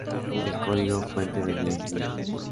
El código fuente venía incluido.